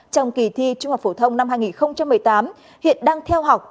trong kỳ thi trung học phổ thông năm hai nghìn một mươi tám hiện đang theo học